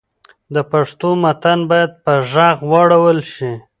د پښتو متن باید په ږغ واړول شي.